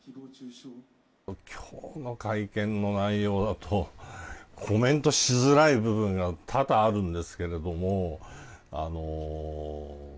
今日の会見の内容だとコメントしづらい部分が多々あるんですけれども。